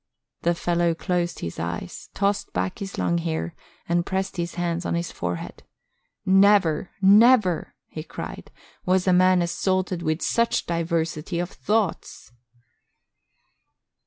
The fellow closed his eyes, tossed back his long hair, and pressed his hands on his forehead. "Never, never," he cried, "was a man assaulted with such diversity of thoughts!"